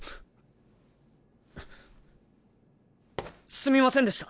すみませんでした！